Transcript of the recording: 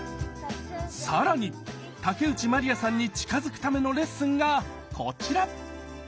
更に竹内まりやさんに近づくためのレッスンがこちら！